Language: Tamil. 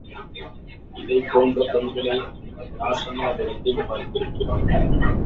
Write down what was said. இதைப் போன்ற பெண்களை அவன் இராசமா புரத்தில் பார்த்திருக்கிறான்.